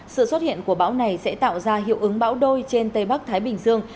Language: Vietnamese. sự xuất hiện của bão này sẽ tạo ra hiệu ứng bão đôi trên tây bắc thái bình dương